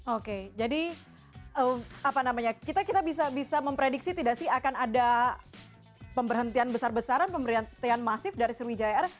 oke jadi apa namanya kita bisa memprediksi tidak sih akan ada pemberhentian besar besaran pemberhentian masif dari sriwijaya air